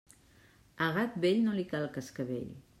A gat vell, no li cal cascavell.